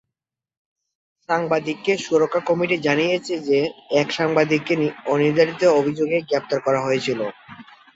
সাংবাদিকদের সুরক্ষা কমিটি জানিয়েছে যে এক সাংবাদিককে অনির্ধারিত অভিযোগে গ্রেপ্তার করা হয়েছিল।